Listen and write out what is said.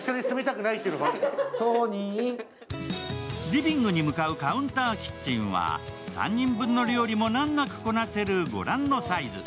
リビングに向かうカウンターキッチンは３人分の料理も難なくこなせるご覧のサイズ。